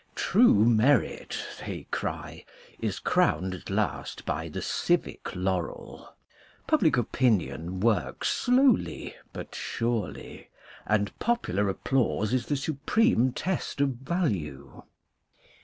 True merit, they cry, is crowned at last by the civic laurel : public opinion works slowly but surely, and popular applause is the supreme test of value.